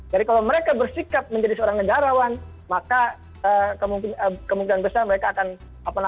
jadi kalau mereka bersikap menjadi seorang negarawan maka kemungkinan besar mereka akan